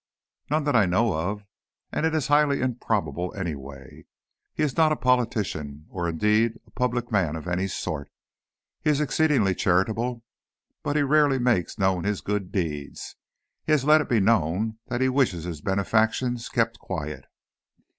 "None that I know of, and it is highly improbable, anyway. He is not a politician, or, indeed, a public man of any sort. He is exceedingly charitable, but he rarely makes known his good deeds. He has let it be known that he wishes his benefactions kept quiet."